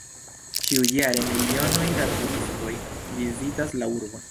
Ĉiujare milionoj da turistoj vizitas la urbon.